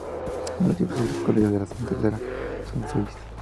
Los libros sobre el colegio del Santa Clara son seis.